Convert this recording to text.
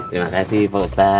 terima kasih pak ustadz